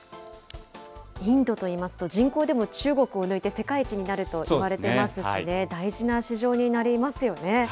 インドといいますと、人口でも中国を抜いて世界一になるといわれてますしね、大事な市場になりますよね。